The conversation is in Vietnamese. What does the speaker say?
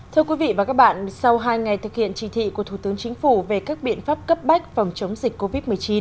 thưa quý vị và các bạn sau hai ngày thực hiện chỉ thị của thủ tướng chính phủ về các biện pháp cấp bách phòng chống dịch covid một mươi chín